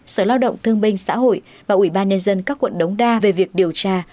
sở lao động thương binh xã hội và ubnd các quận đống đa về việc điều tra